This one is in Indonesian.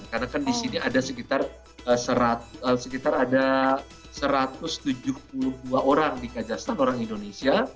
karena kan di sini ada sekitar satu ratus tujuh puluh dua orang di kajastan orang indonesia